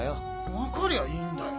わかりゃいいんだよ。